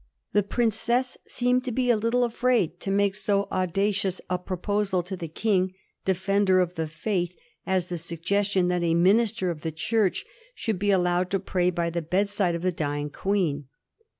The princess seemed to be a little afraid to make so audacious a pro posal to the King, Defender of the Faith, as the suggest ion that a minister of the Church should be allowed to pray by the bedside of the dying Queen.